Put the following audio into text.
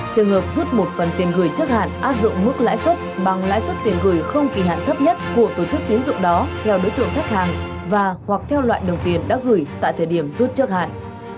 trường hợp rút một phần tiền gửi trước hạn áp dụng mức lãi suất bằng lãi suất tiền gửi không kỳ hạn thấp nhất của tổ chức tiến dụng đó theo đối tượng khách hàng và hoặc theo loại đồng tiền đã gửi tại thời điểm rút trước hạn